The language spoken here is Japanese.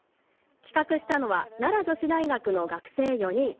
企画したのは奈良女子大学の学生４人。